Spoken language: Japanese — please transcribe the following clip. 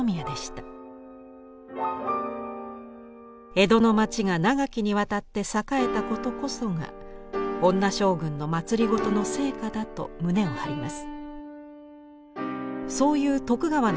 江戸の町が長きにわたって栄えたことこそが女将軍の政の成果だと胸を張ります。